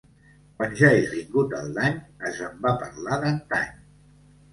Quan ja és vingut el dany, és en va parlar d'antany.